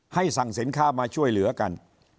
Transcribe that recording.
สั่งสินค้ามาช่วยเหลือกัน